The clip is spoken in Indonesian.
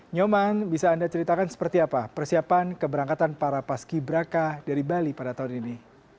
nyoman bisa anda ceritakan seperti apa persiapan keberangkatan para paski braka dari bali pada tahun ini